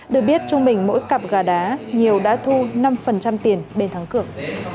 được biết trung bình mỗi cặp gà đá nhiều đã thu năm tiền bên thắng